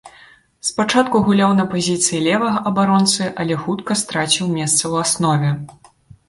Спачатку гуляў на пазіцыі левага абаронцы, але хутка страціў месца ў аснове.